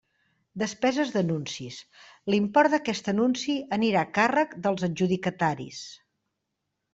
Despeses d'anuncis: l'import d'aquest anunci anirà a càrrec dels adjudicataris.